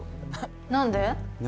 何で？